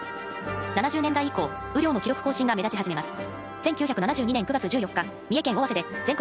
７０年代以降雨量の記録更新が目立ち始めます。